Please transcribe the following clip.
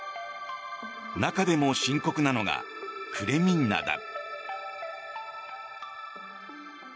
中でも深刻なのがクレミンナだ。